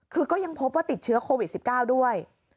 คือก็ยังพบว่าติดเชื้อโควิด๑๙ด้วย